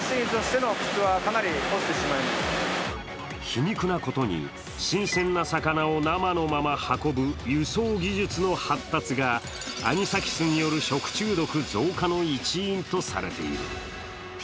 皮肉なことに、新鮮な魚を生のまま運ぶ輸送技術の発達がアニサキスによる食中毒増加の一因とされている。